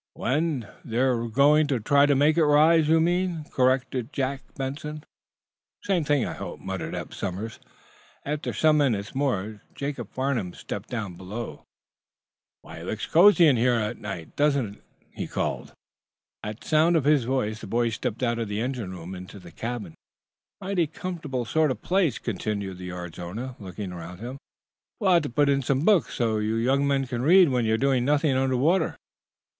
"When they're going to try to make it rise, you mean," corrected Jack Benson. "Same thing, I hope," muttered Eph Somers. After some minutes more Jacob Farnum stepped down below. "Why, it looks cozy here at night, doesn't it?" he called. At sound of his voice the boys stepped out of the engine room into the cabin. "Mighty comfortable sort of place," continued the yard's owner, looking around him. "We'll have to put in some books, won't we, so you young men can read when you're doing nothing under water?"